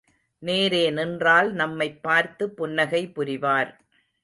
நேரே நின்றால் நம்மைப் பார்த்து புன்னகை புரிவார்.